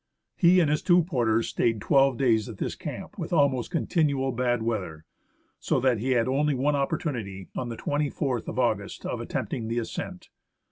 He and his two porters stayed twelve days at this camp, with almost continual bad weather, so that he had only one opportunity, on the 24th of August, .of attempting the ascent.